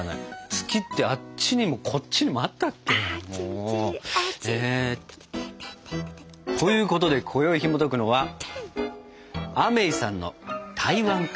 月ってあっちにもこっちにもあったっけ？ということでこよいひもとくのは「アメイさんの台湾カステラ」。